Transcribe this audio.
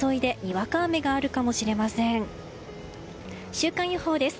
週間予報です。